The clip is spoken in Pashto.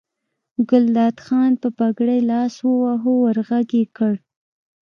ګلداد خان په پګړۍ لاس وواهه ور غږ یې کړل.